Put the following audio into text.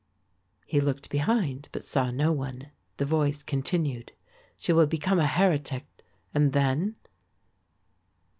He looked behind, but saw no one. The voice continued, "She will become a heretic and then...?"